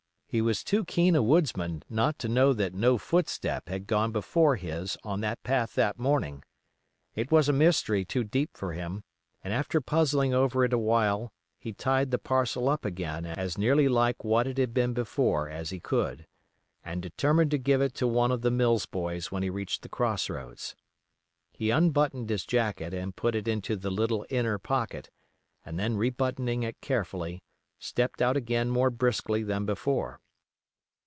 He was too keen a woodsman not to know that no footstep had gone before his on that path that morning. It was a mystery too deep for him, and after puzzling over it a while he tied the parcel up again as nearly like what it had been before as he could, and determined to give it to one of the Mills boys when he reached the Cross roads. He unbuttoned his jacket and put it into the little inner pocket, and then rebuttoning it carefully, stepped out again more briskly than before.